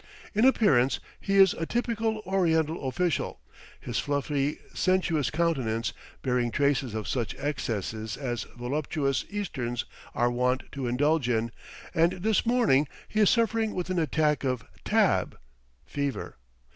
In appearance he is a typical Oriental official, his fluffy, sensuous countenance bearing traces of such excesses as voluptuous Easterns are wont to indulge in, and this morning he is suffering with an attack of "tab" (fever).